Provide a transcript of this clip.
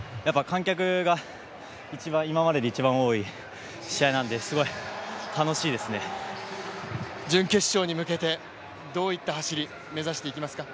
観客が今まで一番多い試合なんで、準決勝に向けてどういった走り目指していきますか？